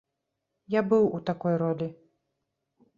Я быў у такой ролі.